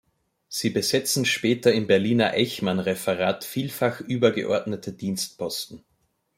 Sie besetzten später im Berliner Eichmannreferat vielfach übergeordnete Dienstposten.